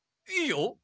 いいよ。